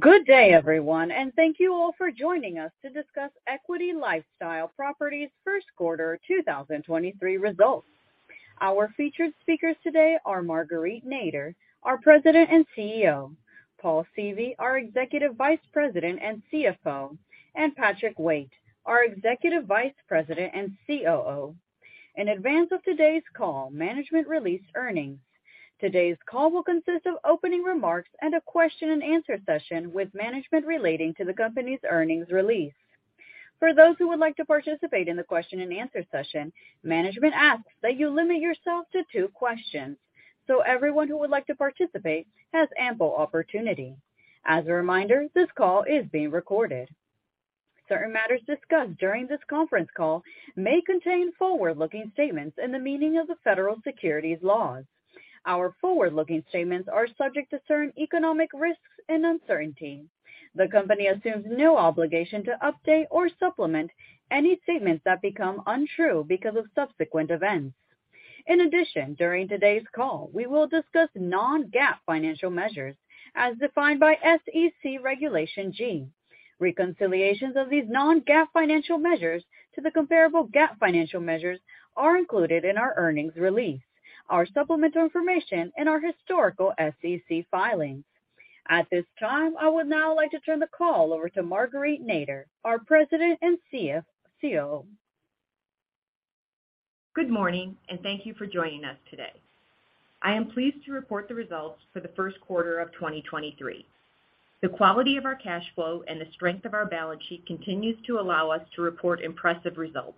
Good day, everyone, and thank you all for joining us to discuss Equity LifeStyle Properties first quarter 2023 results. Our featured speakers today are Marguerite Nader, our President and CEO, Paul Seavey, our Executive Vice President and CFO, and Patrick Waite, our Executive Vice President and COO. In advance of today's call, management released earnings. Today's call will consist of opening remarks and a question-and-answer session with management relating to the company's earnings release. For those who would like to participate in the question-and-answer session, management asks that you limit yourself to two questions so everyone who would like to participate has ample opportunity. As a reminder, this call is being recorded. Certain matters discussed during this conference call may contain forward-looking statements in the meaning of the federal securities laws. Our forward-looking statements are subject to certain economic risks and uncertainties. The Company assumes no obligation to update or supplement any statements that become untrue because of subsequent events. During today's call, we will discuss non-GAAP financial measures as defined by SEC Regulation G. Reconciliations of these non-GAAP financial measures to the comparable GAAP financial measures are included in our earnings release, our supplemental information and our historical SEC filings. At this time, I would now like to turn the call over to Marguerite Nader, our President and CEO. Good morning, thank you for joining us today. I am pleased to report the results for the first quarter of 2023. The quality of our cash flow and the strength of our balance sheet continues to allow us to report impressive results.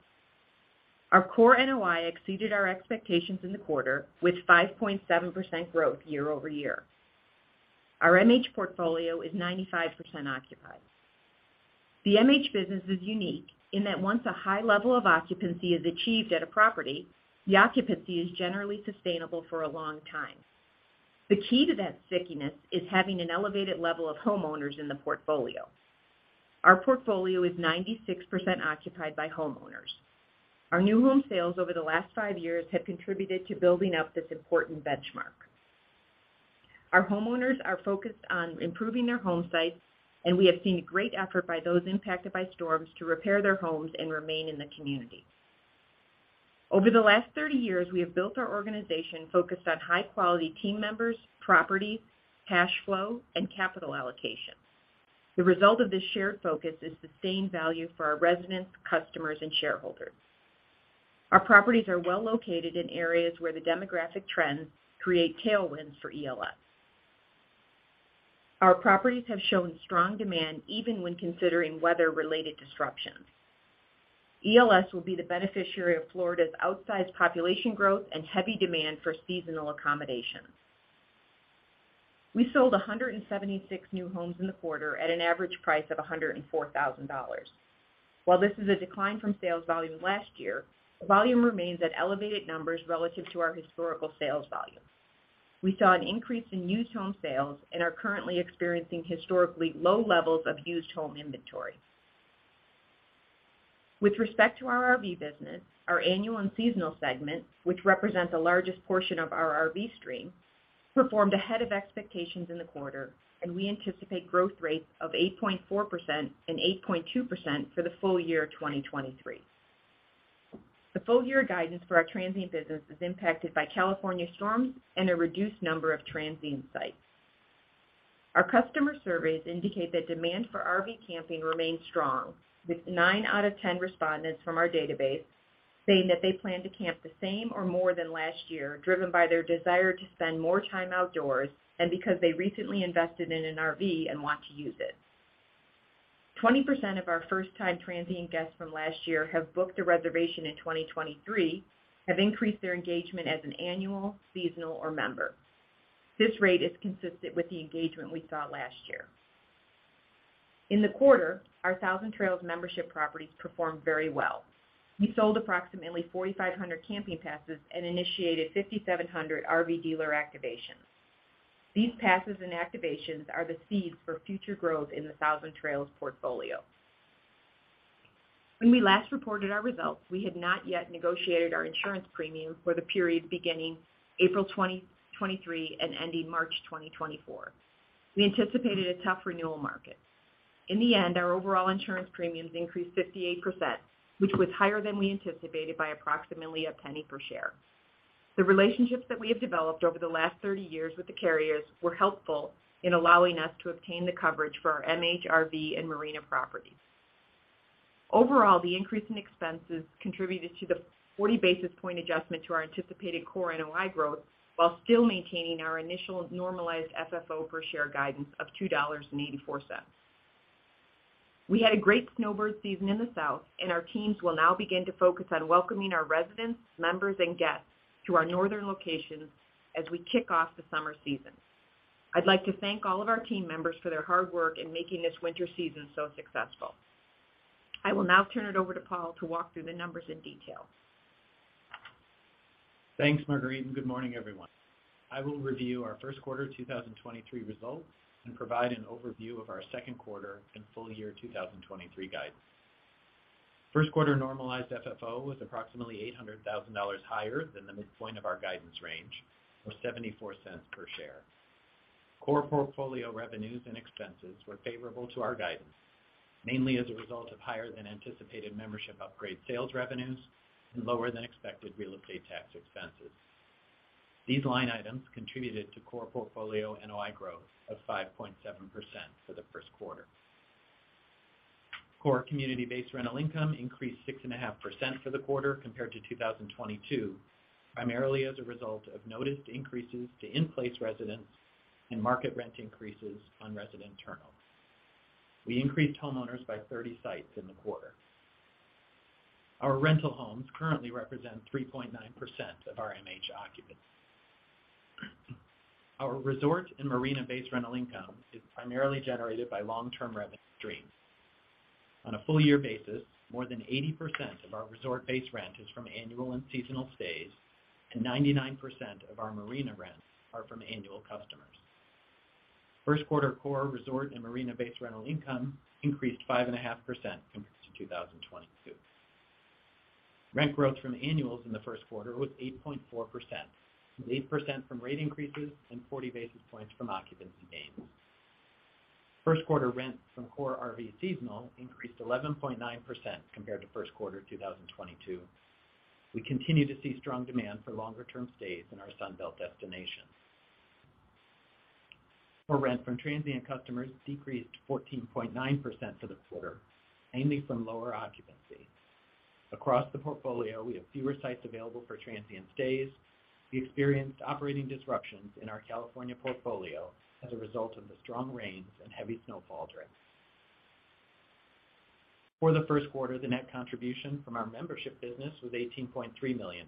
Our core NOI exceeded our expectations in the quarter with 5.7% growth year-over-year. Our MH portfolio is 95% occupied. The MH business is unique in that once a high level of occupancy is achieved at a property, the occupancy is generally sustainable for a long time. The key to that stickiness is having an elevated level of homeowners in the portfolio. Our portfolio is 96% occupied by homeowners. Our New Home Sales over the last five years have contributed to building up this important benchmark. Our homeowners are focused on improving their home sites, and we have seen great effort by those impacted by storms to repair their homes and remain in the community. Over the last 30 years, we have built our organization focused on high-quality team members, properties, cash flow, and capital allocation. The result of this shared focus is sustained value for our residents, customers, and shareholders. Our properties are well located in areas where the demographic trends create tailwinds for ELS. Our properties have shown strong demand even when considering weather-related disruptions. ELS will be the beneficiary of Florida's outsized population growth and heavy demand for seasonal accommodation. We sold 176 New Homes in the quarter at an average price of $104,000. While this is a decline from sales volume last year, the volume remains at elevated numbers relative to our historical sales volume. We saw an increase in used home sales and are currently experiencing historically low levels of used home inventory. With respect to our RV business, our annual and seasonal segment, which represents the largest portion of our RV stream, performed ahead of expectations in the quarter, and we anticipate growth rates of 8.4% and 8.2% for the full year 2023. The full year guidance for our transient business is impacted by California storms and a reduced number of transient sites. Our customer surveys indicate that demand for RV camping remains strong, with 9 out of 10 respondents from our database saying that they plan to camp the same or more than last year, driven by their desire to spend more time outdoors and because they recently invested in an RV and want to use it. 20% of our first-time transient guests from last year have booked a reservation in 2023, have increased their engagement as an annual, seasonal, or member. This rate is consistent with the engagement we saw last year. In the quarter, our Thousand Trails membership properties performed very well. We sold approximately 4,500 camping passes and initiated 5,700 RV dealer activations. These passes and activations are the seeds for future growth in the Thousand Trails portfolio. When we last reported our results, we had not yet negotiated our Insurance premium for the period beginning April 2023 and ending March 2024. We anticipated a tough renewal market. In the end, our overall Insurance premiums increased 58%, which was higher than we anticipated by approximately $0.01 per share. The relationships that we have developed over the last 30 years with the carriers were helpful in allowing us to obtain the coverage for our MHRV and Marina Property. The increase in expenses contributed to the 40 basis point adjustment to our anticipated core NOI growth while still maintaining our initial normalized FFO per share guidance of $2.84. We had a great snowbird season in the south, and our teams will now begin to focus on welcoming our residents, members, and guests to our northern locations as we kick off the summer season. I'd like to thank all of our team members for their hard work in making this winter season so successful. I will now turn it over to Paul to walk through the numbers in detail. Thanks, Marguerite, and good morning, everyone. I will review our first quarter 2023 results and provide an overview of our second quarter and full year 2023 guidance. First quarter normalized FFO was approximately $800,000 higher than the midpoint of our guidance range of $0.74 per share. Core portfolio revenues and expenses were favorable to our guidance, mainly as a result of higher than anticipated membership upgrade sales revenues and lower than expected real estate tax expenses. These line items contributed to core portfolio NOI growth of 5.7% for the first quarter. Core community-based rental income increased 6.5% for the quarter compared to 2022, primarily as a result of noticed increases to in-place residents and market rent increases on resident turnouts. We increased homeowners by 30 sites in the quarter. Our rental homes currently represent 3.9% of our MH occupants. Our resort and Marina-based rental income is primarily generated by long-term revenue streams. On a full year basis, more than 80% of our resort-based rent is from annual and seasonal stays, and 99% of our Marina rents are from annual customers. First quarter core resort and Marina-based rental income increased 5.5% compared to 2022. Rent growth from annuals in the first quarter was 8.4%, with 8% from rate increases and 40 basis points from occupancy gains. First quarter rent from core RV seasonal increased 11.9% compared to first quarter 2022. We continue to see strong demand for longer-term stays in our Sunbelt destinations. Core rent from transient customers decreased 14.9% for the quarter, mainly from lower occupancy. Across the portfolio, we have fewer sites available for transient stays. We experienced operating disruptions in our California portfolio as a result of the strong rains and heavy snowfall during. For the first quarter, the net contribution from our membership business was $18.3 million.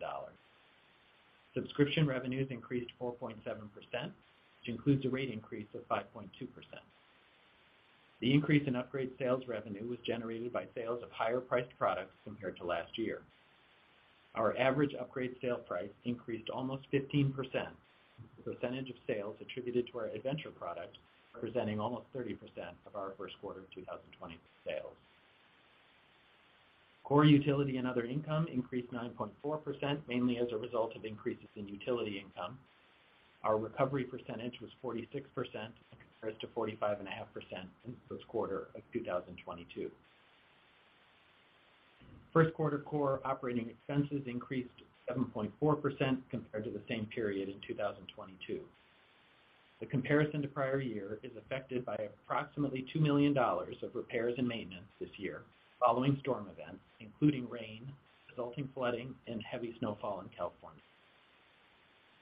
Subscription revenues increased 4.7%, which includes a rate increase of 5.2%. The increase in upgrade sales revenue was generated by sales of higher priced products compared to last year. Our average upgrade sale price increased almost 15%, with the percentage of sales attributed to our Adventure product representing almost 30% of our first quarter 2022 sales. Core utility and other income increased 9.4%, mainly as a result of increases in utility income. Our recovery percentage was 46% compared to 45.5% in first quarter of 2022. First quarter core operating expenses increased 7.4% compared to the same period in 2022. The comparison to prior year is affected by approximately $2 million of repairs and maintenance this year following storm events, including rain, resulting flooding, and heavy snowfall in California.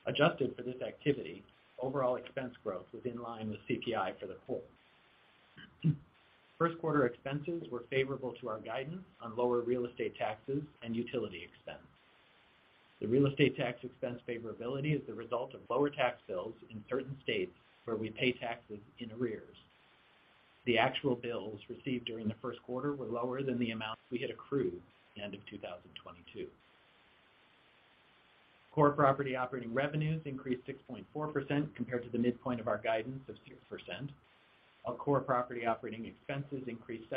Adjusted for this activity, overall expense growth was in line with CPI for the quarter. First quarter expenses were favorable to our guidance on lower real estate taxes and utility expense. The real estate tax expense favorability is the result of lower tax bills in certain states where we pay taxes in arrears. The actual bills received during the first quarter were lower than the amounts we had accrued at the end of 2022. Core property operating revenues increased 6.4% compared to the midpoint of our guidance of 6%. Our core property operating expenses increased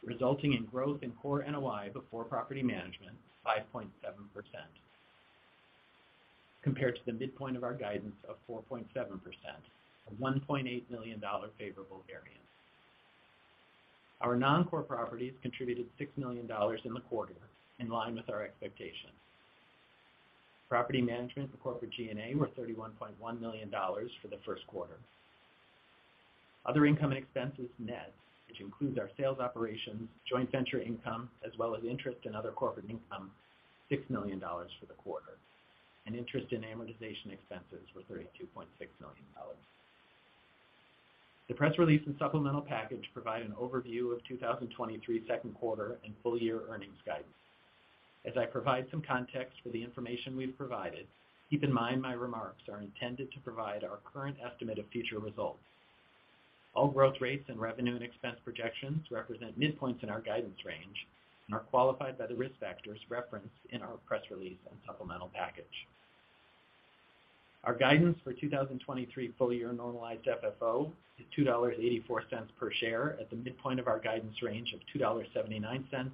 7% compared to the midpoint of our guidance of 7.8%, resulting in growth in core NOI before property management 5.7% compared to the midpoint of our guidance of 4.7%, a $1.8 million favorable variance. Our non-core properties contributed $6 million in the quarter, in line with our expectations. Property management and corporate G&A were $31.1 million for the first quarter. Other income and expenses net, which includes our sales operations, joint venture income, as well as interest and other corporate income, $6 million for the quarter, and interest and amortization expenses were $32.6 million. The press release and supplemental package provide an overview of 2023 second quarter and full year earnings guidance. As I provide some context for the information we've provided, keep in mind my remarks are intended to provide our current estimate of future results. All growth rates and revenue and expense projections represent midpoints in our guidance range and are qualified by the risk factors referenced in our press release and supplemental package. Our guidance for 2023 full year normalized FFO is $2.84 per share at the midpoint of our guidance range of $2.79-$2.89.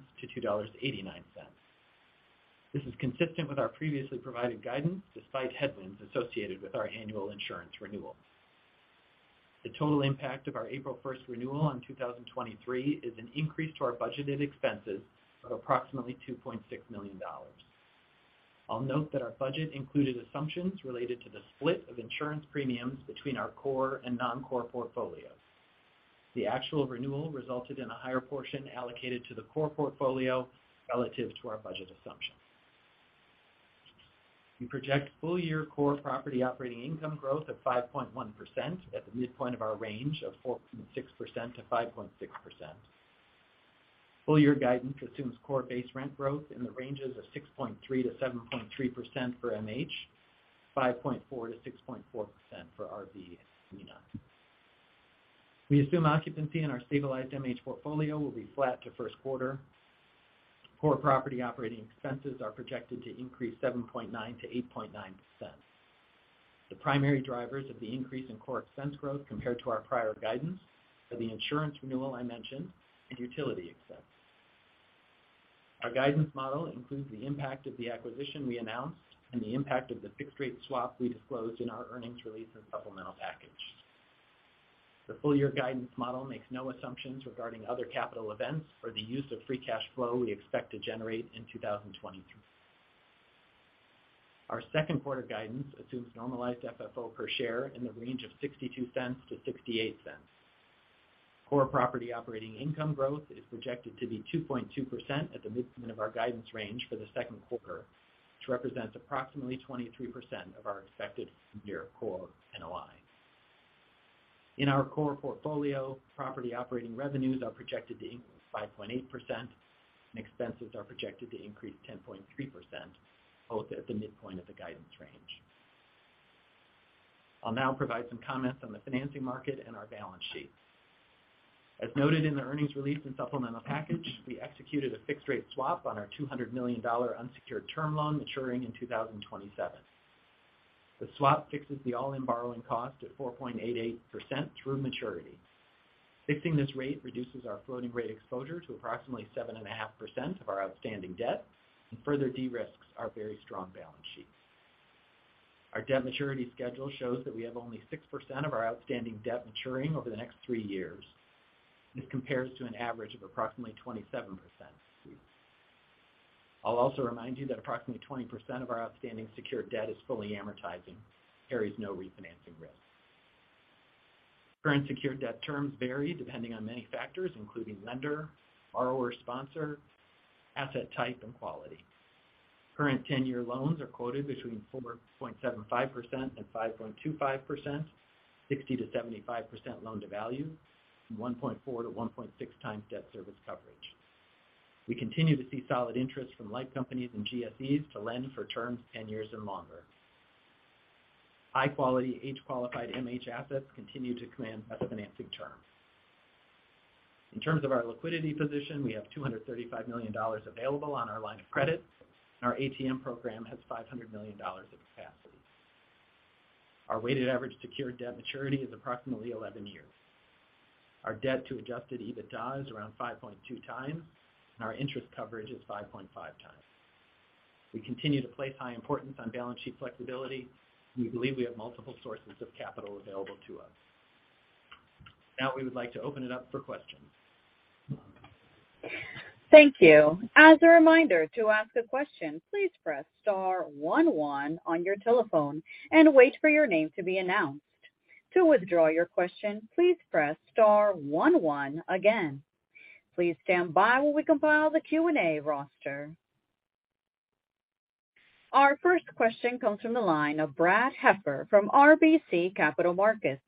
This is consistent with our previously provided guidance despite headwinds associated with our annual Insurance renewal. The total impact of our April first renewal on 2023 is an increase to our budgeted expenses of approximately $2.6 million. I'll note that our budget included assumptions related to the split of Insurance premiums between our core and non-core portfolios. The actual renewal resulted in a higher portion allocated to the core portfolio relative to our budget assumptions. We project full year core property operating income growth of 5.1% at the midpoint of our range of 4.6%-5.6%. Full year guidance assumes core base rent growth in the ranges of 6.3%-7.3% for MH, 5.4%-6.4% for RV and Marina. We assume occupancy in our stabilized MH portfolio will be flat to first quarter. Core property operating expenses are projected to increase 7.9%-8.9%. The primary drivers of the increase in core expense growth compared to our prior guidance are the Insurance renewal I mentioned and utility expense. Our guidance model includes the impact of the acquisition we announced and the impact of the fixed rate swap we disclosed in our earnings release and supplemental package. The full year guidance model makes no assumptions regarding other capital events or the use of free cash flow we expect to generate in 2022. Our second quarter guidance assumes normalized FFO per share in the range of $0.62-$0.68. Core property operating income growth is projected to be 2.2% at the midpoint of our guidance range for the second quarter, which represents approximately 23% of our expected full year core NOI. In our core portfolio, property operating revenues are projected to increase 5.8% and expenses are projected to increase 10.3%, both at the midpoint of the guidance range. I'll now provide some comments on the financing market and our balance sheet. As noted in the earnings release and supplemental package, we executed a fixed-rate swap on our $200 million unsecured term loan maturing in 2027. The swap fixes the all-in borrowing cost at 4.88% through maturity. Fixing this rate reduces our floating rate exposure to approximately 7.5% of our outstanding debt and further de-risks our very strong balance sheet. Our debt maturity schedule shows that we have only 6% of our outstanding debt maturing over the next three years. This compares to an average of approximately 27%. I'll also remind you that approximately 20% of our outstanding secured debt is fully amortizing, carries no refinancing risk. Current secured debt terms vary depending on many factors, including lender, borrower sponsor, asset type and quality. Current 10-year loans are quoted between 4.75% and 5.25%, 60%-75% loan-to-value, and 1.4x-1.6x debt service coverage. We continue to see solid interest from life companies and GSEs to lend for terms 10 years or longer. High-quality, age-qualified MH assets continue to command better financing terms. In terms of our liquidity position, we have $235 million available on our line of credit, and our ATM program has $500 million of capacity. Our weighted average secured debt maturity is approximately 11 years. Our debt to Adjusted EBITDA is around 5.2x, and our interest coverage is 5.5x. We continue to place high importance on balance sheet flexibility. We believe we have multiple sources of capital available to us. We would like to open it up for questions. Thank you. As a reminder, to ask a question, please press star one one on your telephone and wait for your name to be announced. To withdraw your question, please press star one one again. Please stand by while we compile the Q&A roster. Our first question comes from the line of Brad Heffern from RBC Capital Markets.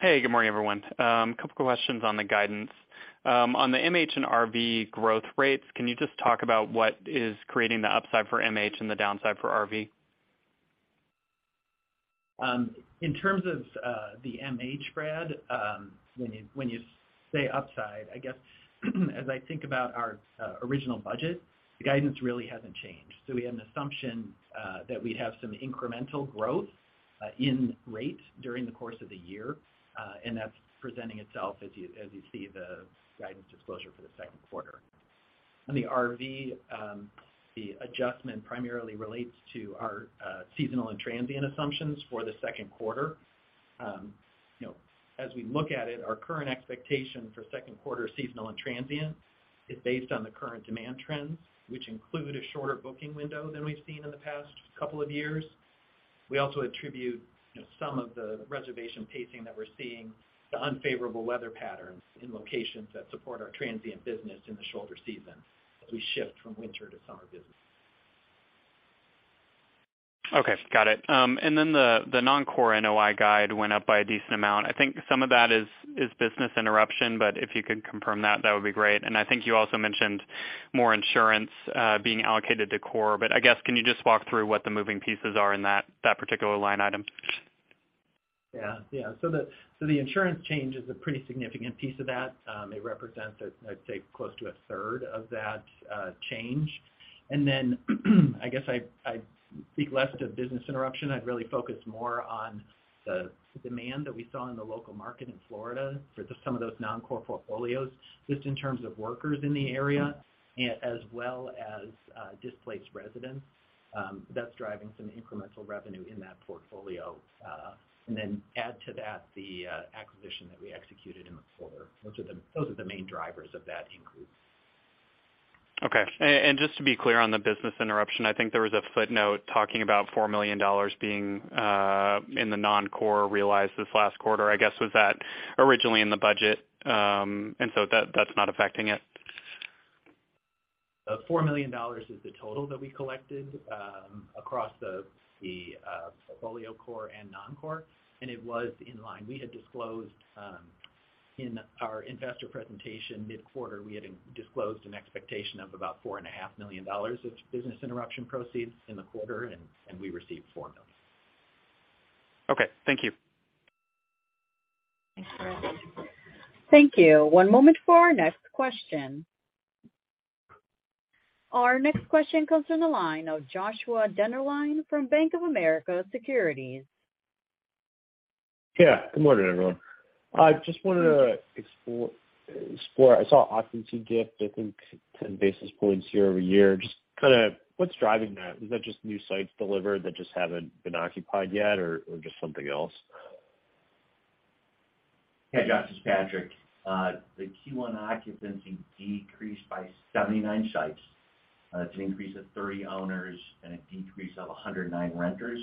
Hey, good morning, everyone. Couple questions on the guidance. On the MH and RV growth rates, can you just talk about what is creating the upside for MH and the downside for RV? In terms of the MH, Brad, when you say upside, I guess as I think about our original budget, the guidance really hasn't changed. We had an assumption that we'd have some incremental growth in rates during the course of the year, and that's presenting itself as you, as you see the guidance disclosure for the second quarter. On the RV, the adjustment primarily relates to our seasonal and transient assumptions for the second quarter. You know, as we look at it, our current expectation for second quarter seasonal and transient is based on the current demand trends, which include a shorter booking window than we've seen in the past couple of years. We also attribute, you know, some of the reservation pacing that we're seeing to unfavorable weather patterns in locations that support our transient business in the shoulder season as we shift from winter to summer business. Okay. Got it. The non-core NOI guide went up by a decent amount. I think some of that is business interruption, if you could confirm that would be great. I think you also mentioned more Insurance being allocated to core. I guess, can you just walk through what the moving pieces are in that particular line item? Yeah. Yeah. The Insurance change is a pretty significant piece of that. It represents, I'd say, close to a third of that change. I guess I'd speak less to business interruption. I'd really focus more on the demand that we saw in the local market in Florida for just some of those non-core portfolios, just in terms of workers in the area as well as displaced residents. That's driving some incremental revenue in that portfolio. Add to that the acquisition that we executed in the quarter. Those are the main drivers of that increase. Okay. Just to be clear on the business interruption, I think there was a footnote talking about $4 million being in the non-core realized this last quarter. I guess, was that originally in the budget, and so that's not affecting it? The $4 million is the total that we collected across the portfolio core and non-core. It was in line. We had disclosed in our investor presentation mid-quarter, we had disclosed an expectation of about $4.5 million of business interruption proceeds in the quarter, and we received $4 million. Okay. Thank you. Thank you. One moment for our next question. Our next question comes from the line of Joshua Dennerlein from Bank of America Securities. Good morning, everyone. I saw occupancy dip, I think 10 basis points year-over-year. Just kind of what's driving that? Is that just new sites delivered that just haven't been occupied yet or just something else? Yeah, Joshua, it's Patrick. The Q1 occupancy decreased by 79 sites. It's an increase of 30 owners and a decrease of 109 renters.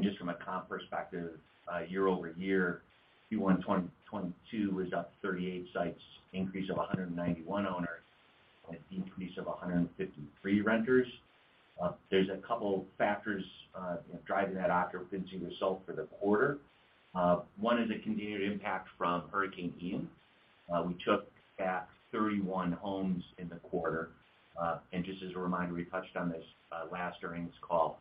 Just from a comp perspective, year-over-year, Q1 2022 was up 38 sites, increase of 191 owners and a decrease of 153 renters. There's a couple factors driving that occupancy result for the quarter. One is the continued impact from Hurricane Ian. We took back 31 homes in the quarter. Just as a reminder, we touched on this last earnings call.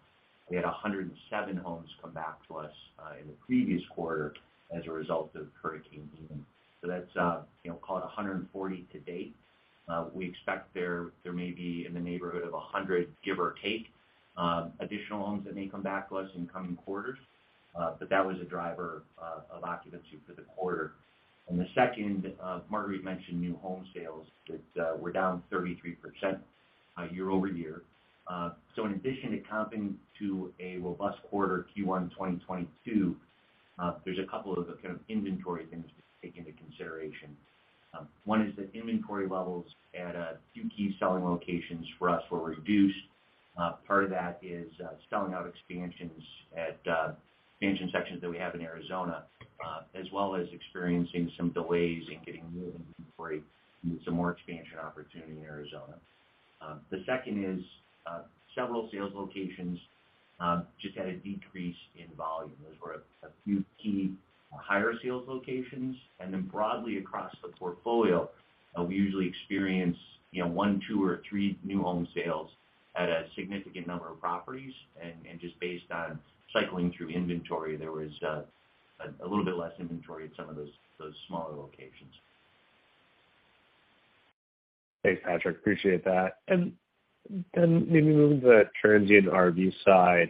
We had 107 homes come back to us in the previous quarter as a result of Hurricane Ian. That's, you know, call it 140 to date. We expect there may be in the neighborhood of 100, give or take, additional homes that may come back to us in coming quarters. That was a driver of occupancy for the quarter. The second, Marguerite mentioned New Home Sales that were down 33% year-over-year. In addition to comping to a robust quarter Q1 2022. there's a couple of kind of inventory things to take into consideration. One is that inventory levels at a few key selling locations for us were reduced. Part of that is selling out expansions at expansion sections that we have in Arizona, as well as experiencing some delays in getting new inventory, some more expansion opportunity in Arizona. The second is several sales locations just had a decrease in volume. Those were a few key higher sales locations. Broadly across the portfolio, we usually experience, you know, one, two, or three New Home Sales at a significant number of properties. Just based on cycling through inventory, there was a little bit less inventory at some of those smaller locations. Thanks, Patrick. Appreciate that. Maybe moving to the transient RV side,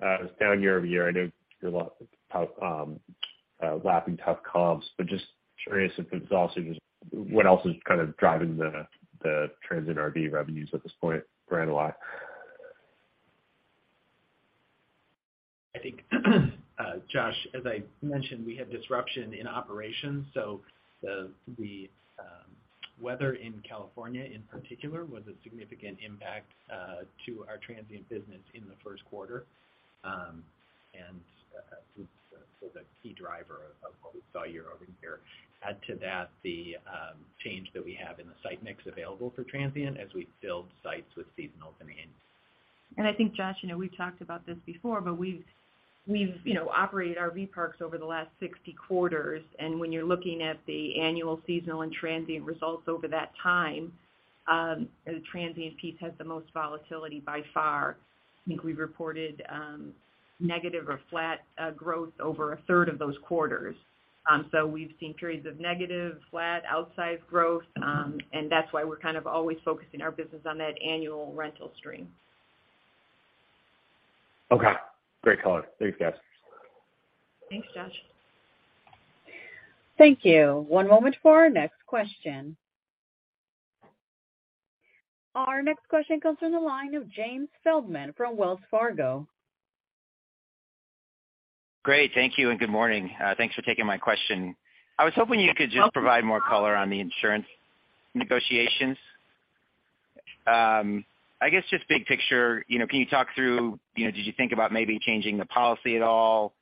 it was down year-over-year. I know you're lapping tough comps, but just curious if it's also just what else is kind of driving the transient RV revenues at this point for analog? I think, Joshua, as I mentioned, we had disruption in operations. The weather in California in particular was a significant impact to our transient business in the first quarter. The key driver of what we saw year-over-year. Add to that the change that we have in the site mix available for transient as we filled sites with seasonal tenants. I think, Joshua, you know, we've talked about this before, but we've, you know, operated RV parks over the last 60 quarters, and when you're looking at the annual, seasonal, and transient results over that time, the transient piece has the most volatility by far. I think we've reported, negative or flat growth over a third of those quarters. We've seen periods of negative, flat, outsized growth, and that's why we're kind of always focusing our business on that annual rental stream. Okay. Great color. Thanks, guys. Thanks, Joshua. Thank you. One moment for our next question. Our next question comes from the line of Jamie Feldman from Wells Fargo. Great. Thank you, and good morning. Thanks for taking my question. I was hoping you could just provide more color on the Insurance negotiations. I guess just big picture, you know, can you talk through, you know, did you think about maybe changing the policy at all?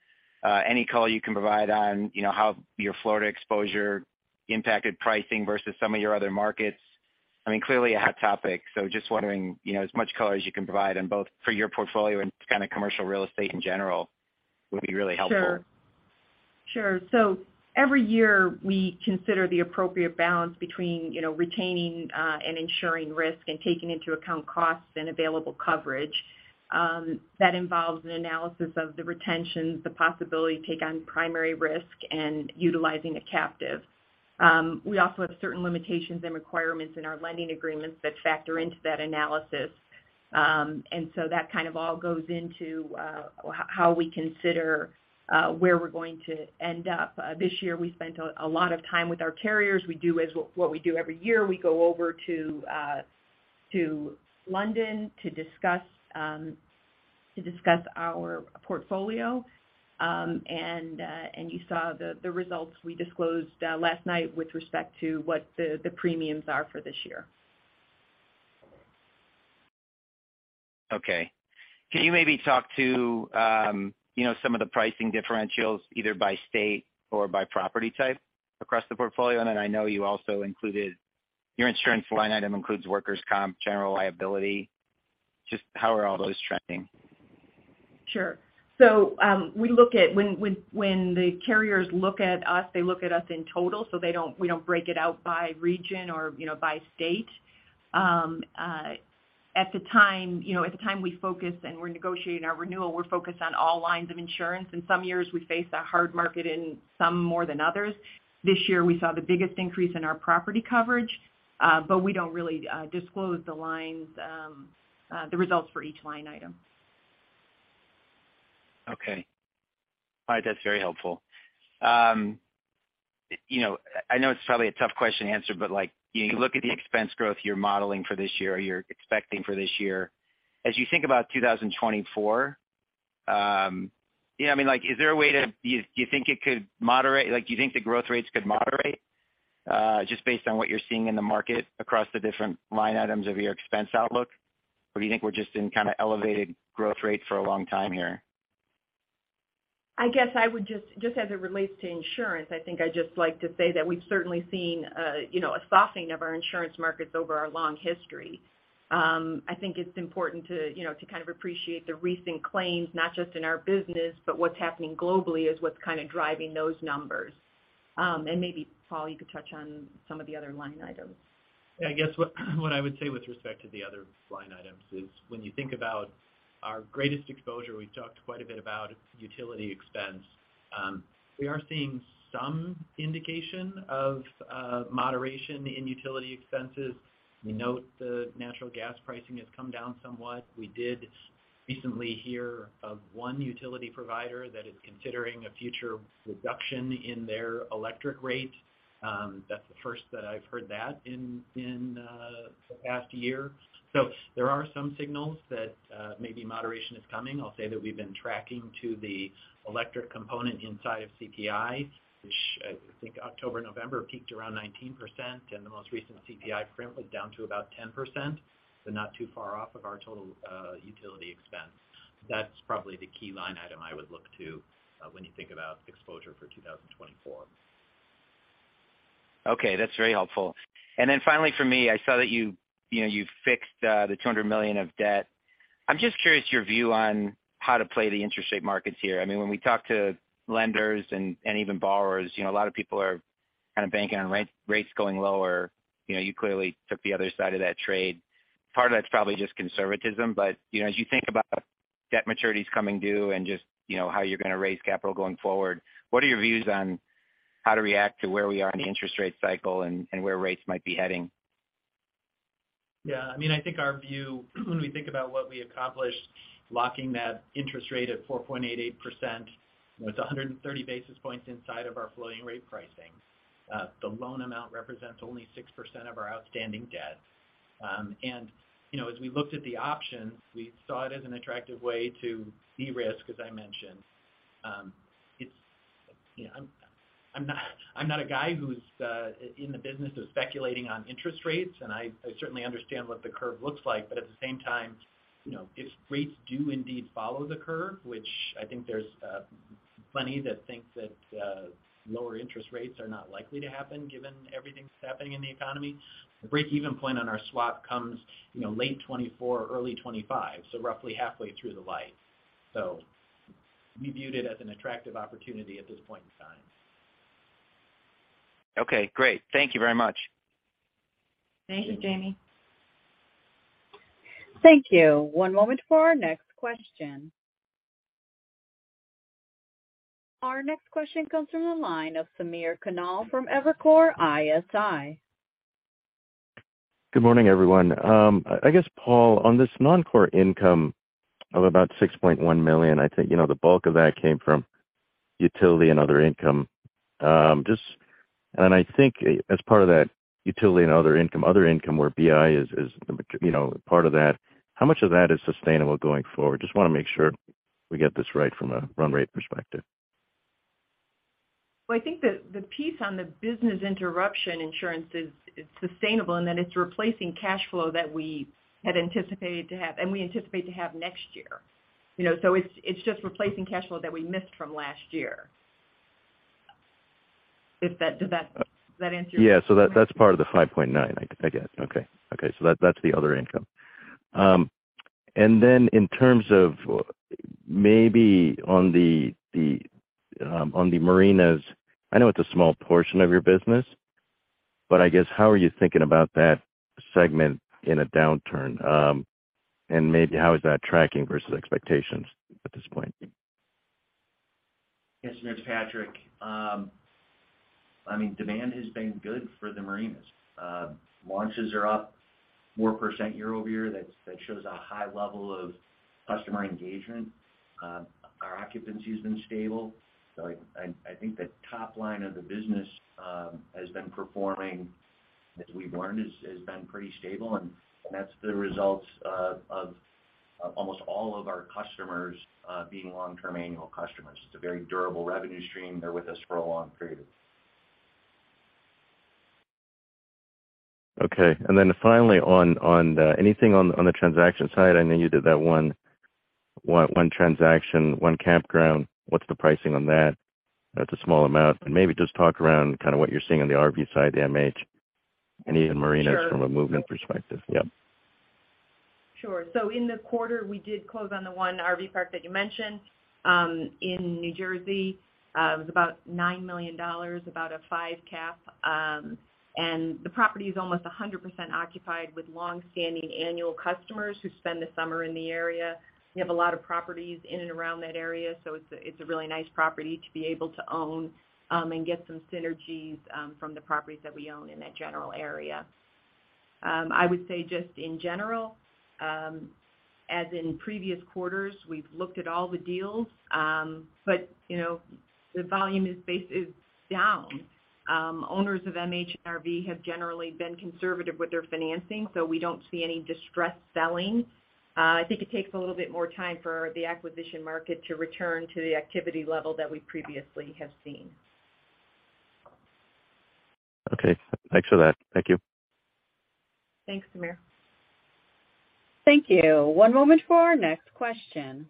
Any color you can provide on, you know, how your Florida exposure impacted pricing versus some of your other markets? I mean, clearly a hot topic, so just wondering, you know, as much color as you can provide on both for your portfolio and kind of commercial real estate in general would be really helpful. Sure. Every year, we consider the appropriate balance between, you know, retaining and ensuring risk and taking into account costs and available coverage. That involves an analysis of the retention, the possibility to take on primary risk, and utilizing a captive. We also have certain limitations and requirements in our lending agreements that factor into that analysis. That kind of all goes into how we consider where we're going to end up. This year, we spent a lot of time with our carriers. We do as what we do every year. We go over to London to discuss our portfolio. You saw the results we disclosed last night with respect to what the premiums are for this year. Okay. Can you maybe talk to, you know, some of the pricing differentials, either by state or by property type across the portfolio? I know you also included your insurance line item includes workers' comp, general liability. Just how are all those trending? Sure. We look at when the carriers look at us, they look at us in total, so we don't break it out by region or, you know, by state. At the time, you know, we focus and we're negotiating our renewal, we're focused on all lines of insurance. In some years, we face a hard market and some more than others. This year, we saw the biggest increase in our property coverage, but we don't really disclose the lines, the results for each line item. Okay. All right. That's very helpful. you know, I know it's probably a tough question to answer, but like, you look at the expense growth you're modeling for this year or you're expecting for this year. As you think about 2024, you know, I mean, like, do you think it could moderate, like, do you think the growth rates could moderate? Just based on what you're seeing in the market across the different line items of your expense outlook? Or do you think we're just in kind of elevated growth rates for a long time here? I guess I would just as it relates to Insurance, I think I'd just like to say that we've certainly seen, you know, a softening of our insurance markets over our long history. I think it's important to, you know, to kind of appreciate the recent claims, not just in our business, but what's happening globally is what's kind of driving those numbers. Maybe, Paul, you could touch on some of the other line items. I guess what I would say with respect to the other line items is when you think about our greatest exposure, we've talked quite a bit about utility expense. We are seeing some indication of moderation in utility expenses. We note the natural gas pricing has come down somewhat. We did recently hear of one utility provider that is considering a future reduction in their electric rate. That's the first that I've heard that in the past year. There are some signals that maybe moderation is coming. I'll say that we've been tracking to the electric component inside of CPI, which I think October, November peaked around 19%, and the most recent CPI print was down to about 10%, but not too far off of our total utility expense. That's probably the key line item I would look to, when you think about exposure for 2024. Okay, that's very helpful. Finally for me, I saw that you know, you fixed the $200 million of debt. I'm just curious your view on how to play the interest rate markets here. I mean, when we talk to lenders and even borrowers, you know, a lot of people are kind of banking on rates going lower. You know, you clearly took the other side of that trade. Part of that's probably just conservatism. But, you know, as you think about debt maturities coming due and just, you know, how you're going to raise capital going forward, what are your views on how to react to where we are in the interest rate cycle and where rates might be heading? Yeah. I mean, I think our view, when we think about what we accomplished, locking that interest rate at 4.88%, it's 130 basis points inside of our floating rate pricing. The loan amount represents only 6% of our outstanding debt. You know, as we looked at the options, we saw it as an attractive way to de-risk, as I mentioned. It's, you know, I'm not a guy who's in the business of speculating on interest rates, and I certainly understand what the curve looks like. At the same time, you know, if rates do indeed follow the curve, which I think there's plenty that think that lower interest rates are not likely to happen given everything that's happening in the economy, the break-even point on our swap comes, you know, late 2024, early 2025, so roughly halfway through the life. We viewed it as an attractive opportunity at this point in time. Okay, great. Thank you very much. Thank you, Jamie. Thank you. One moment for our next question. Our next question comes from the line of Samir Khanal from Evercore ISI. Good morning, everyone. I guess, Paul, on this non-core income of about $6.1 million, I think, you know, the bulk of that came from utility and other income. I think as part of that utility and other income, other income where BI is, you know, part of that, how much of that is sustainable going forward? Just wanna make sure we get this right from a run rate perspective. I think the piece on the Business Interruption Insurance is sustainable and that it's replacing cash flow that we had anticipated to have and we anticipate to have next year. You know, it's just replacing cash flow that we missed from last year. Does that answer your question? Yeah. That's part of the 5.9, I guess. Okay. Okay. That's the other income. In terms of maybe on the Marina's, I know it's a small portion of your business, but I guess, how are you thinking about that segment in a downturn? Maybe how is that tracking versus expectations at this point? Yes, Samir. Patrick. I mean, demand has been good for the Marina's. Launches are up 4% year-over-year. That shows a high level of customer engagement. Our occupancy has been stable. I think the top line of the business has been performing, as we've learned, has been pretty stable, and that's the results of almost all of our customers being long-term annual customers. It's a very durable revenue stream. They're with us for a long period. Okay. Then finally on the anything on the, on the transaction side? I know you did that one transaction, one campground. What's the pricing on that? That's a small amount. Maybe just talk around kind of what you're seeing on the RV side, the MH, and even Marina's from a movement perspective. Yeah. Sure. In the quarter, we did close on the one RV park that you mentioned in New Jersey. It was about $9 million, about a five cap. The property is almost 100% occupied with longstanding annual customers who spend the summer in the area. We have a lot of properties in and around that area, it's a really nice property to be able to own and get some synergies from the properties that we own in that general area. I would say just in general, as in previous quarters, we've looked at all the deals, you know, the volume is down. Owners of MH and RV have generally been conservative with their financing, we don't see any distressed selling. I think it takes a little bit more time for the acquisition market to return to the activity level that we previously have seen. Okay. Thanks for that. Thank you. Thanks, Samir. Thank you. One moment for our next question.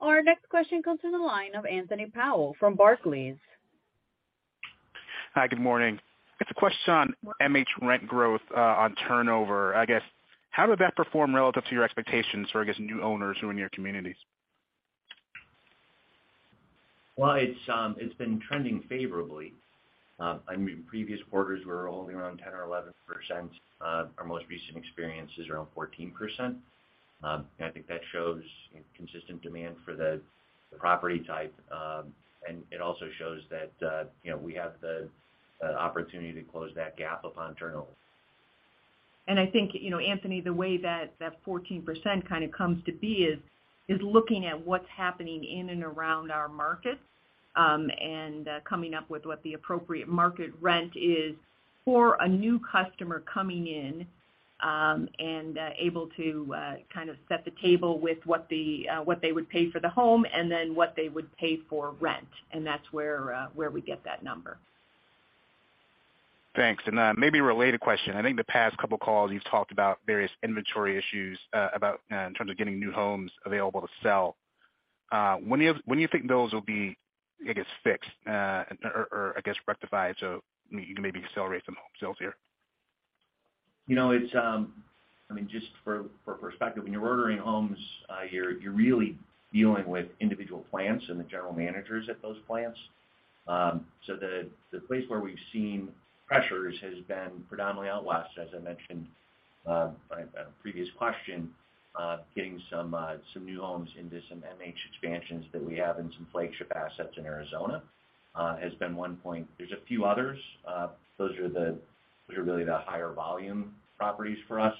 Our next question comes in the line of Anthony Powell from Barclays. Hi, good morning. It's a question on MH rent growth, on turnover. I guess, how did that perform relative to your expectations for, I guess, new owners who are in your communities? Well, it's been trending favorably. I mean, previous quarters were only around 10% or 11%. Our most recent experience is around 14%. I think that shows consistent demand for the property type. It also shows that, you know, we have the opportunity to close that gap upon turnover. I think, you know, Anthony, the way that 14% kind of comes to be is looking at what's happening in and around our markets, and coming up with what the appropriate market rent is for a new customer coming in, and able to kind of set the table with what they would pay for the home and then what they would pay for rent. That's where we get that number. Thanks. Maybe a related question. I think the past couple of calls you've talked about various inventory issues, in terms of getting New Homes available to sell. When do you think those will be, I guess, fixed, or I guess rectified, so you can maybe accelerate some home sales here? You know, it's, I mean, just for perspective, when you're ordering homes, you're really dealing with individual plants and the general managers at those plants. The place where we've seen pressures has been predominantly out West, as I mentioned on a previous question, getting some New Homes into some MH expansions that we have in some flagship assets in Arizona, has been one point. There's a few others. Those are really the higher volume properties for us.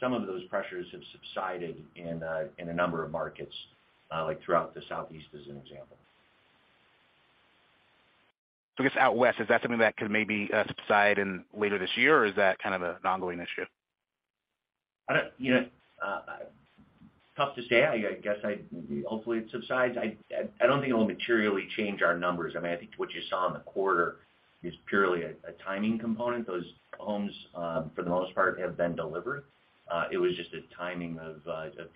Some of those pressures have subsided in a number of markets, like throughout the Southeast, as an example. I guess out West, is that something that could maybe subside in later this year, or is that kind of an ongoing issue? I don't, you know, tough to say. I guess I'd hopefully it subsides. I don't think it'll materially change our numbers. I mean, I think what you saw in the quarter is purely a timing component. Those homes, for the most part, have been delivered. It was just a timing of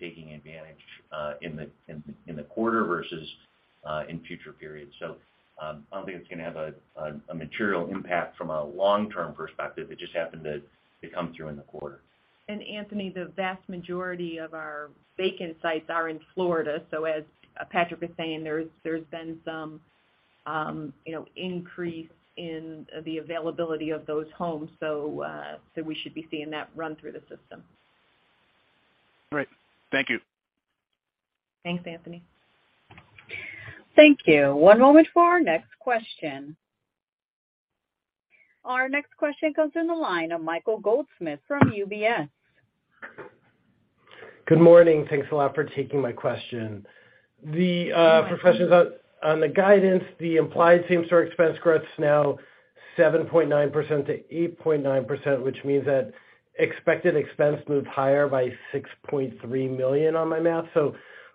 taking advantage in the quarter versus in future periods. I don't think it's going to have a material impact from a long-term perspective. It just happened to come through in the quarter. Anthony, the vast majority of our vacant sites are in Florida. As Patrick was saying, there's been some, you know, increase in the availability of those homes. We should be seeing that run through the system. Great. Thank you. Thanks, Anthony. Thank you. One moment for our next question. Our next question comes in the line of Michael Goldsmith from UBS. Good morning. Thanks a lot for taking my question. The first question's on the guidance, the implied same-store expense growth's now 7.9%-8.9%, which means that expected expense moved higher by $6.3 million on my math.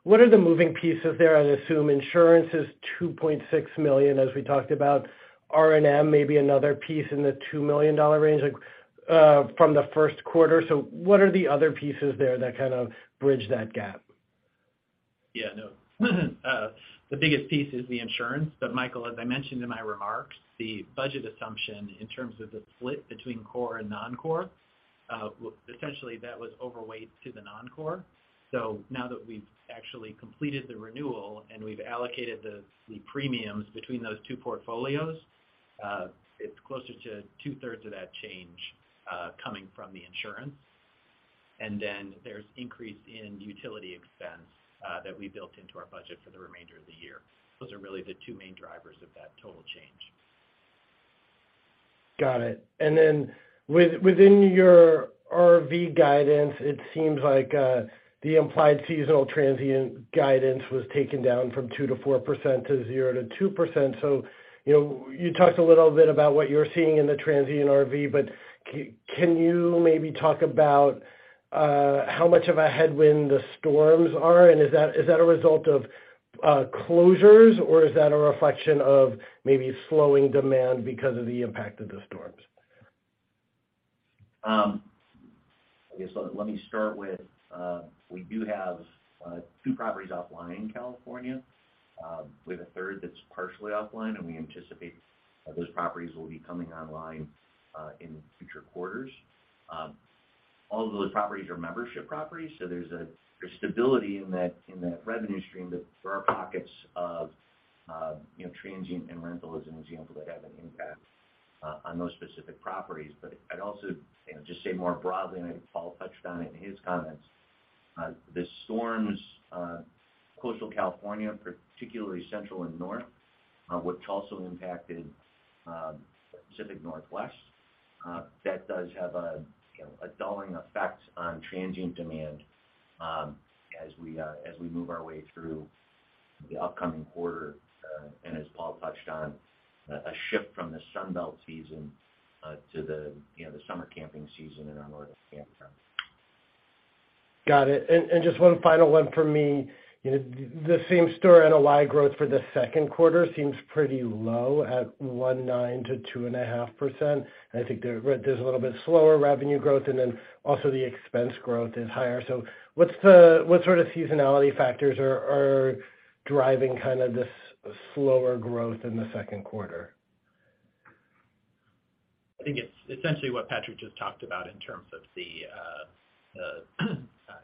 What are the moving pieces there? I'd assume Insurance is $2.6 million, as we talked about. R&M may be another piece in the $2 million range, like, from the first quarter. What are the other pieces there that kind of bridge that gap? Yeah, no. The biggest piece is the Insurance. Michael, as I mentioned in my remarks, the budget assumption in terms of the split between core and non-core, essentially that was overweight to the non-core. Now that we've actually completed the renewal and we've allocated the premiums between those two portfolios, it's closer to 2/3 of that change coming from the Insurance. There's increase in utility expense that we built into our budget for the remainder of the year. Those are really the two main drivers of that total change. Got it. within your RV guidance, it seems like, the implied seasonal transient guidance was taken down from 2%-4% to 0%-2%. you know, you talked a little bit about what you're seeing in the transient RV, but can you maybe talk about how much of a headwind the storms are? Is that a result of closures, or is that a reflection of maybe slowing demand because of the impact of the storms? I guess, let me start with, we do have two properties offline in California, with a third that's partially offline. We anticipate that those properties will be coming online in future quarters. All of those properties are membership properties, so there's a, there's stability in that revenue stream that there are pockets of, you know, transient and rental as an example that have an impact on those specific properties. I'd also, you know, just say more broadly, and I think Paul touched on it in his comments, the storms, coastal California, particularly central and north, which also impacted Pacific Northwest, that does have, you know, a dulling effect on transient demand as we move our way through the upcoming quarter. As Paul touched on, a shift from the Sunbelt season, to the, you know, the summer camping season in our northern campgrounds. Got it. Just one final one for me. You know, the same store NOI growth for the second quarter seems pretty low at 1.9%-2.5%. I think there's a little bit slower revenue growth, and then also the expense growth is higher. What sort of seasonality factors are driving kind of this slower growth in the second quarter? I think it's essentially what Patrick just talked about in terms of the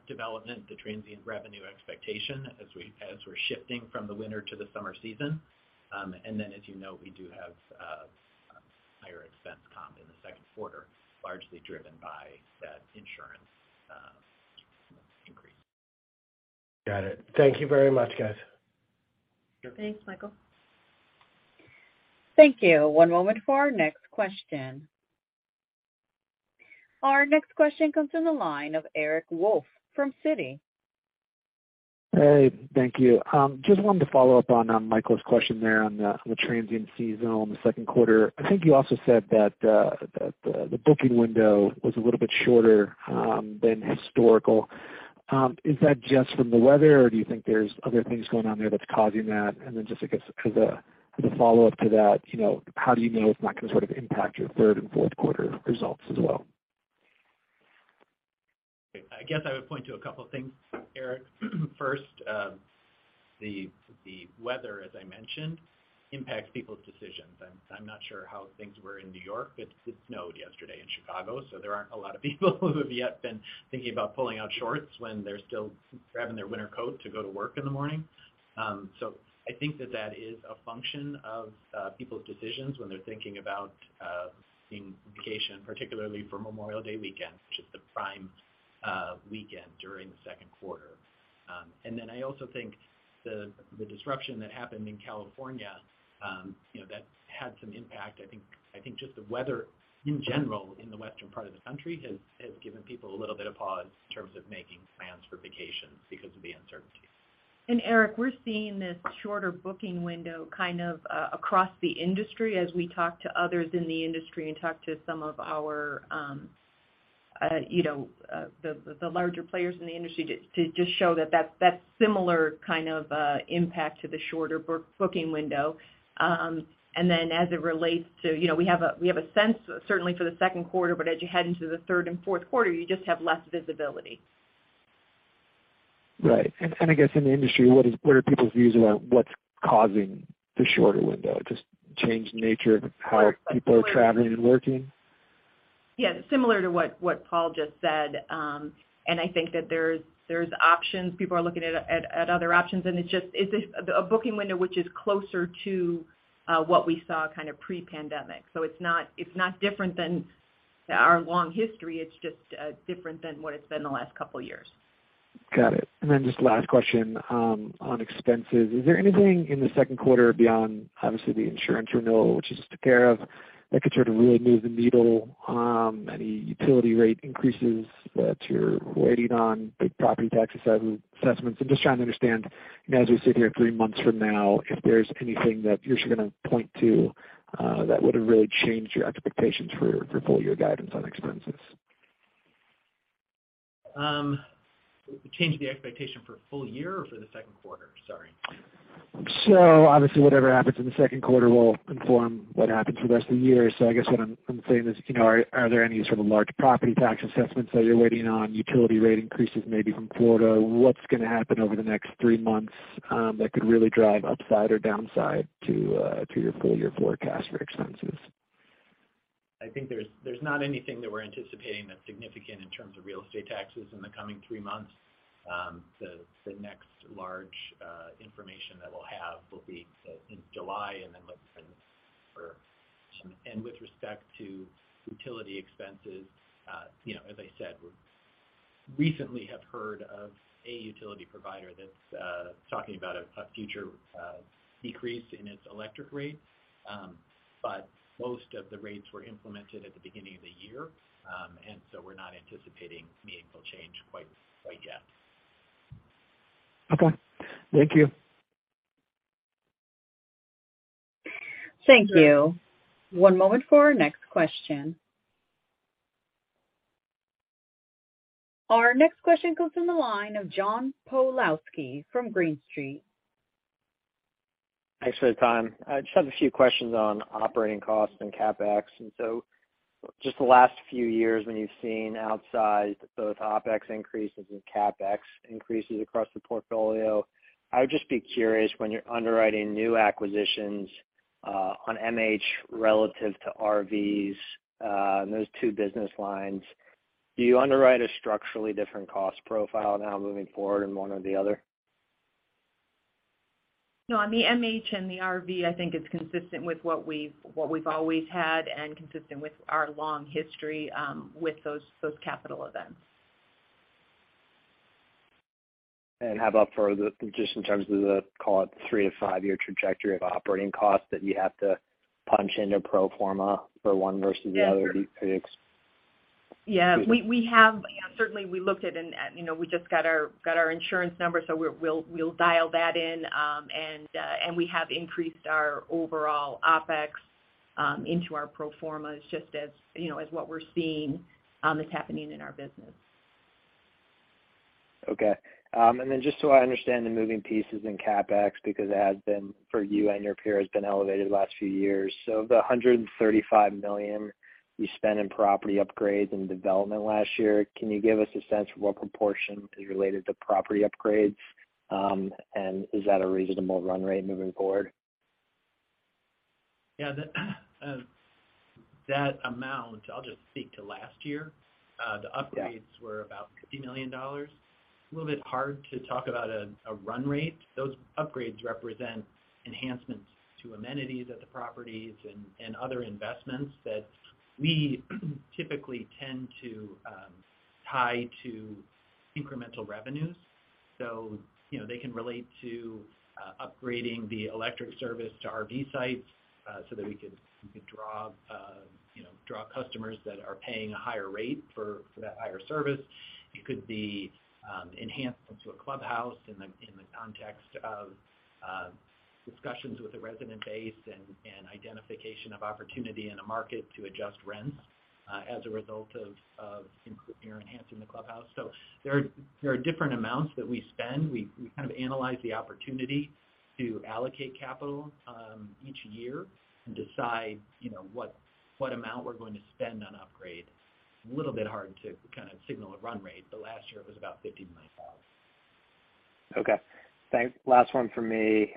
development, the transient revenue expectation as we're shifting from the winter to the summer season. As you know, we do have higher expense comp in the second quarter, largely driven by that insurance increase. Got it. Thank you very much, guys. Sure. Thanks, Michael. Thank you. One moment for our next question. Our next question comes from the line of Eric Wolfe from Citi. Hey, thank you. Just wanted to follow up on Michael's question there on the transient season on the second quarter. I think you also said that the booking window was a little bit shorter than historical. Is that just from the weather, or do you think there's other things going on there that's causing that? Just I guess as a follow-up to that, you know, how do you know it's not gonna sort of impact your third and fourth quarter results as well? I guess I would point to a couple things, Eric. First, the weather, as I mentioned, impacts people's decisions, and I'm not sure how things were in New York, but it snowed yesterday in Chicago, so there aren't a lot of people who have yet been thinking about pulling out shorts when they're still grabbing their winter coat to go to work in the morning. I think that that is a function of people's decisions when they're thinking about taking vacation, particularly for Memorial Day weekend, which is the prime weekend during the second quarter. I also think the disruption that happened in California, you know, that had some impact. I think just the weather in general in the western part of the country has given people a little bit of pause in terms of making plans for vacations because of the uncertainty. Eric, we're seeing this shorter booking window kind of across the industry as we talk to others in the industry and talk to some of our, you know, the larger players in the industry to just show that that's similar kind of impact to the shorter booking window. Then as it relates to, you know, we have a sense certainly for the second quarter, but as you head into the third and fourth quarter, you just have less visibility. Right. I guess in the industry, what is, what are people's views about what's causing the shorter window? Just changed nature of how people are traveling and working? Yes, similar to what Paul just said. I think that there's options. People are looking at other options, and it's just a booking window which is closer to what we saw kind of pre-pandemic. It's not, it's not different than our long history. It's just different than what it's been the last couple years. Got it. Just last question on expenses. Is there anything in the second quarter beyond obviously the Insurance renewal, which is taken care of, that could sort of really move the needle? Any utility rate increases that you're waiting on, big property taxes assessments? I'm just trying to understand, you know, as we sit here three months from now, if there's anything that you're gonna point to that would have really changed your expectations for full year guidance on expenses. Change the expectation for full year or for the second quarter? Sorry. Obviously, whatever happens in the second quarter will inform what happens for the rest of the year. I guess what I'm saying is, you know, are there any sort of large property tax assessments that you're waiting on, utility rate increases maybe from Florida? What's gonna happen over the next three months that could really drive upside or downside to your full year forecast for expenses? I think there's not anything that we're anticipating that's significant in terms of real estate taxes in the coming three months. The next large information that we'll have will be in July. With respect to utility expenses, you know, as I said, we recently have heard of a utility provider that's talking about a future decrease in its electric rate. Most of the rates were implemented at the beginning of the year. We're not anticipating meaningful change quite yet. Okay. Thank you. Thank you. One moment for our next question. Our next question comes from the line of John Pawlowski from Green Street. Thanks for the time. I just have a few questions on operating costs and CapEx. Just the last few years when you've seen outsized both OpEx increases and CapEx increases across the portfolio, I would just be curious, when you're underwriting new acquisitions on MH relative to RV, those two business lines. Do you underwrite a structurally different cost profile now moving forward in one or the other? No, on the MH and the RV, I think it's consistent with what we've always had and consistent with our long history, with those capital events. How about just in terms of the, call it, 3- to 5-year trajectory of operating costs that you have to punch in a pro forma for one versus the other? Yeah. Certainly we looked at it and, you know, we just got our Insurance number, so we'll dial that in. We have increased our overall OpEx into our pro formas just as, you know, as what we're seeing is happening in our business. Okay. Just so I understand the moving pieces in CapEx, because it has been for you and your peer has been elevated the last few years. The $135 million you spent in property upgrades and development last year, can you give us a sense of what proportion is related to property upgrades? Is that a reasonable run rate moving forward? Yeah. The that amount, I'll just speak to last year. The upgrades were about $50 million. A little bit hard to talk about a run rate. Those upgrades represent enhancements to amenities at the properties and other investments that we typically tend to tie to incremental revenues. You know, they can relate to upgrading the electric service to RV sites, so that we could draw, you know, draw customers that are paying a higher rate for that higher service. It could be enhancements to a clubhouse in the context of discussions with the resident base and identification of opportunity in a market to adjust rents, as a result of enhancing the clubhouse. There are different amounts that we spend. We kind of analyze the opportunity to allocate capital each year and decide, you know, what amount we're going to spend on upgrade. It's a little bit hard to kind of signal a run rate, but last year it was about $50 million. Okay. Thanks. Last one for me.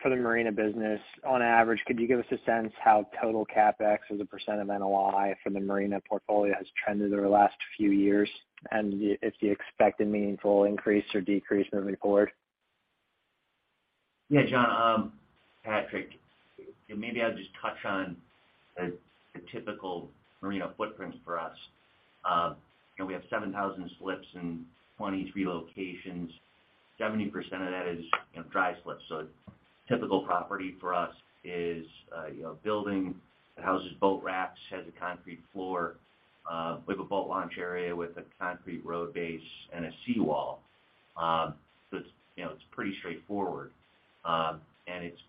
For the Marina business, on average, could you give us a sense how total CapEx as a percent of NOI from the Marina portfolio has trended over the last few years, and if you expect a meaningful increase or decrease moving forward? John. Patrick. Maybe I'll just touch on the typical Marina footprint for us. You know, we have 7,000 slips in 23 locations. 70% of that is, you know, dry slips. A typical property for us is, you know, building that houses boat wraps, has a concrete floor, with a boat launch area with a concrete road base and a seawall. It's, you know, it's pretty straightforward. It's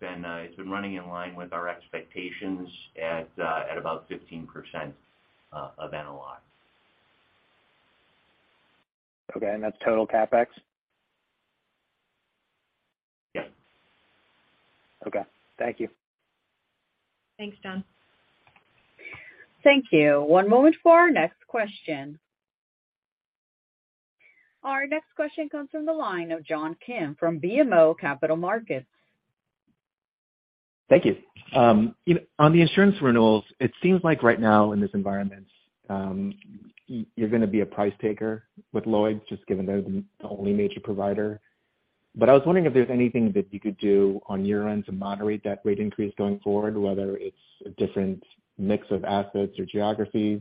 been running in line with our expectations at about 15% of NOI. Okay. That's total CapEx? Yes. Okay. Thank you. Thanks, John. Thank you. One moment for our next question. Our next question comes from the line of John Kim from BMO Capital Markets. Thank you. On the Insurance renewals, it seems like right now in this environment, you're gonna be a price taker with Lloyd's, just given they're the only major provider. I was wondering if there's anything that you could do on your end to moderate that rate increase going forward, whether it's a different mix of assets or geographies,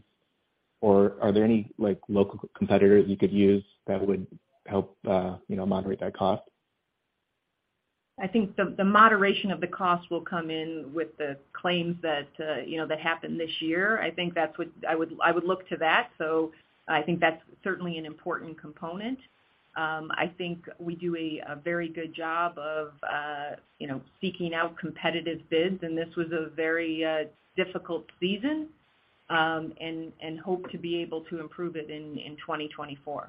or are there any, like, local competitors you could use that would help, you know, moderate that cost? I think the moderation of the cost will come in with the claims that, you know, that happened this year. I think that's what I would look to that. I think that's certainly an important component. I think we do a very good job of, you know, seeking out competitive bids, and this was a very difficult season, and hope to be able to improve it in 2024.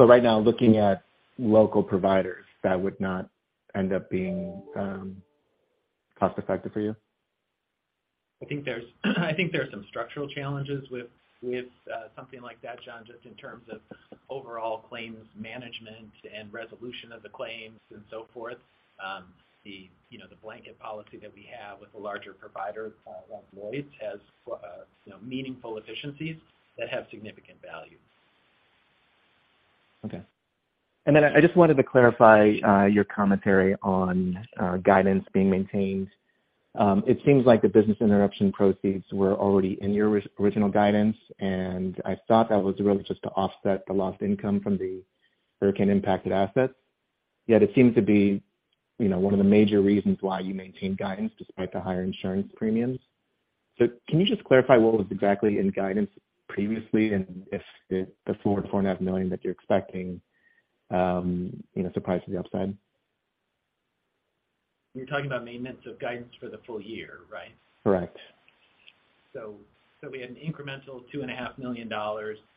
Right now, looking at local providers, that would not end up being cost-effective for you? I think there are some structural challenges with something like that, John, just in terms of overall claims management and resolution of the claims and so forth. The, you know, the blanket policy that we have with a larger provider like Lloyd's has, you know, meaningful efficiencies that have significant value. Okay. I just wanted to clarify, your commentary on guidance being maintained. It seems like the business interruption proceeds were already in your original guidance, and I thought that was really just to offset the lost income from the hurricane-impacted assets. Yet it seems to be, you know, one of the major reasons why you maintain guidance despite the higher Insurance premiums. Can you just clarify what was exactly in guidance previously and if the $4 million-$4.5 million that you're expecting, you know, surprise to the upside? You're talking about maintenance of guidance for the full year, right? Correct. We had an incremental $2.5 million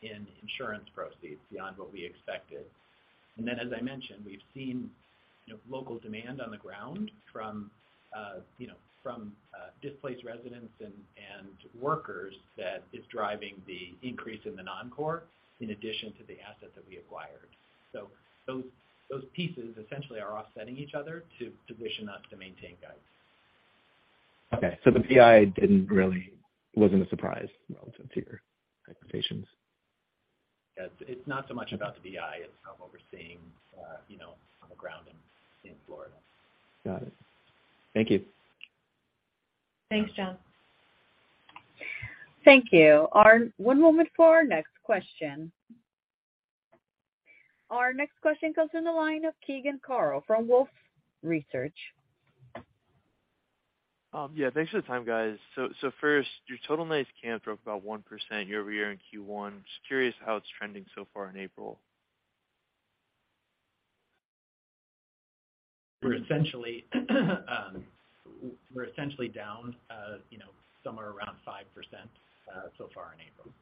in Insurance proceeds beyond what we expected. As I mentioned, we've seen, you know, local demand on the ground from, you know, from Displaced residents and workers that is driving the increase in the non-core in addition to the asset that we acquired. Those pieces essentially are offsetting each other to position us to maintain guidance. Okay, the BI wasn't a surprise relative to your expectations? Yeah, it's not so much about the BI, it's how we're seeing, you know, on the ground in Florida. Got it. Thank you. Thanks, John. Thank you. One moment for our next question. Our next question comes in the line of Keegan Carl from Wolfe Research. Yeah, thanks for the time, guys. First, your total nights camp dropped about 1% year-over-year in Q1. Just curious how it's trending so far in April? We're essentially down, you know, somewhere around 5%, so far in April.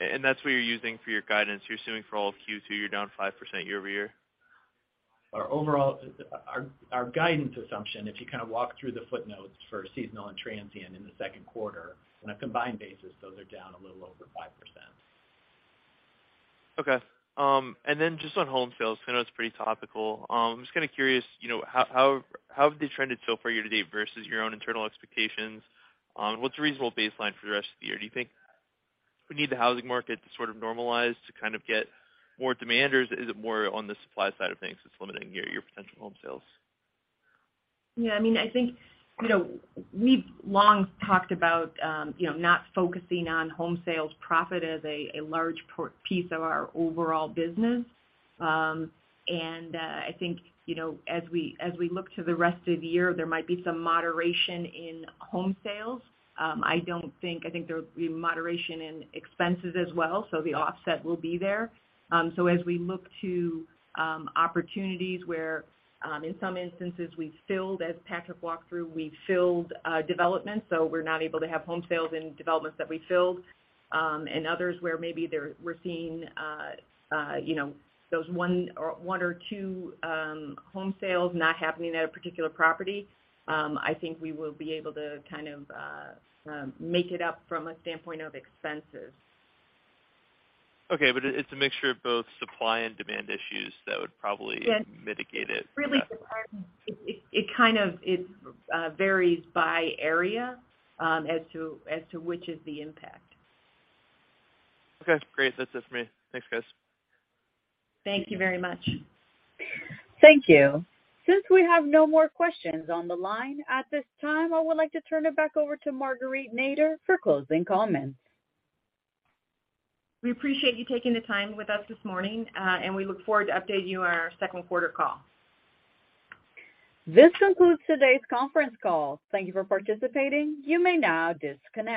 That's what you're using for your guidance. You're assuming for all of Q2 you're down 5% year-over-year? Our guidance assumption, if you kind of walk through the footnotes for seasonal and transient in the second quarter on a combined basis, those are down a little over 5%. Just on home sales, I know it's pretty topical. I'm just kind of curious, you know, how have they trended so far year-to-date versus your own internal expectations? What's a reasonable baseline for the rest of the year? Do you think we need the housing market to sort of normalize to kind of get more demand, or is it more on the supply side of things that's limiting your potential home sales? Yeah. I mean, I think, you know, we've long talked about, you know, not focusing on home sales profit as a large piece of our overall business. I think, you know, as we, as we look to the rest of the year, there might be some moderation in home sales. I think there'll be moderation in expenses as well, so the offset will be there. As we look to opportunities where, in some instances, we've filled, as Patrick walked through, we've filled developments, so we're not able to have home sales in developments that we filled. Others where maybe we're seeing, you know, those one or two home sales not happening at a particular property.I think we will be able to kind of make it up from a standpoint of expenses. It's a mixture of both supply and demand issues that would probably. Yes. Mitigate it? Really, it varies by area, as to which is the impact. Okay, great. That's it for me. Thanks, guys. Thank you very much. Thank you. Since we have no more questions on the line at this time, I would like to turn it back over to Marguerite Nader for closing comments. We appreciate you taking the time with us this morning, and we look forward to updating you on our second quarter call. This concludes today's conference call. Thank you for participating. You may now disconnect.